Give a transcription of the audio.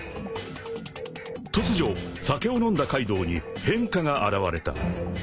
［突如酒を飲んだカイドウに変化が表れた］